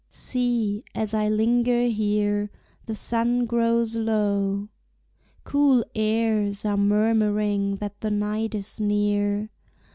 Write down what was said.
See, as I linger here, the sun grows low; Cool airs are murmuring that the night is near.